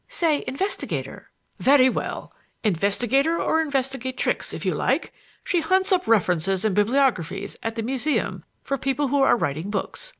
Say investigator." "Very well, investigator or investigatrix, if you like. She hunts up references and bibliographies at the Museum for people who are writing books.